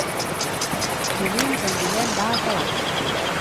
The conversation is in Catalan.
Dilluns en Guillem va a Calaf.